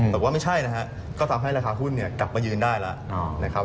แต่ว่าไม่ใช่นะครับก็ทำให้ราคาหุ้นกลับมายืนได้แล้ว